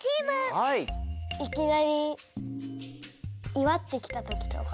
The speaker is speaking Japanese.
いきなりいわってきたときとか？